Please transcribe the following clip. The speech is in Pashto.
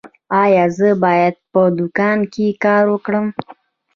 ایا زه باید په دوکان کې کار وکړم؟